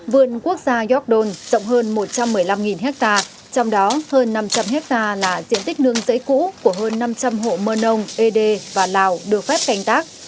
vườn quốc gia gióc đôn trọng hơn một trăm một mươi năm hectare trong đó hơn năm trăm linh hectare là diện tích nương giấy cũ của hơn năm trăm linh hộ mơ nông ed và lào được phép canh tác